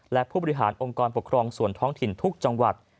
และผู้บริหารองค์กรปกครองส่วนท้องถิ่นทุกจังหวัด